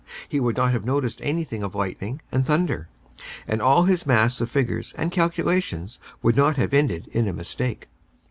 He would not have noticed anything of lightning and thunder, and all his mass of figures and calculations would not have ended in a mistake.